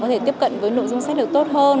có thể tiếp cận với nội dung sách được tốt hơn